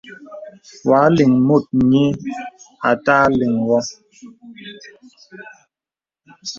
Wa lìŋ mùt nyə àtà liŋ wɨ.